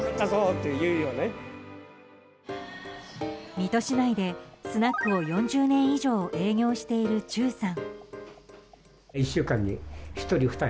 水戸市内でスナックを４０年以上営業している忠さん。